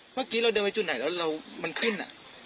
เมื่อกี้เราเดินไปจุดไหนแล้วมันขึ้น